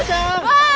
わあ！